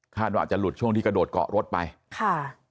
ว่าอาจจะหลุดช่วงที่กระโดดเกาะรถไปค่ะ